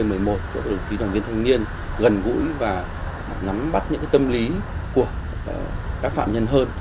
và các đồng viên thanh niên gần gũi và nắm bắt những tâm lý của các phạm nhân hơn